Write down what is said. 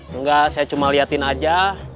enggak saya cuma liatin aja